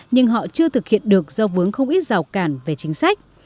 nhưng họ chưa thực hiện được do vướng không ít rào cản về chính sách